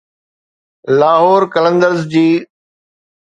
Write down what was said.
لاهور قلندرز جي